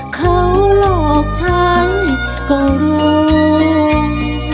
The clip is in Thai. เขาหลอกฉันกรุง